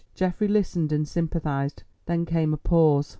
Geoffrey listened and sympathised; then came a pause.